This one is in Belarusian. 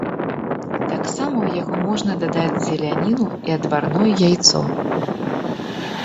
Таксама ў яго можна дадаць зеляніну і адварное яйцо.